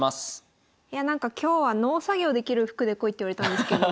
今日は農作業できる服で来いって言われたんですけど。